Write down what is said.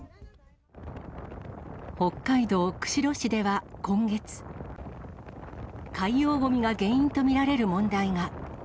北海道釧路市では今月、海洋ごみが原因と見られる問題が。